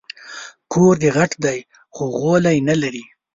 کور دي غټ دی خو غولی نه لري